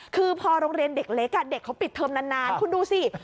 คือพอโรงเรียนเด็กเล็กเด็กเขาปิดเทอมนานคุณดูสิ